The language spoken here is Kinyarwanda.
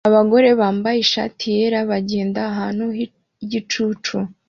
Abagore bambaye ishati yera bagenda ahantu h'igicucu